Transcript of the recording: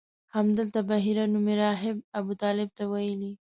همدلته بحیره نومي راهب ابوطالب ته ویلي.